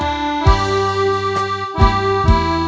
มีความฝรั่ง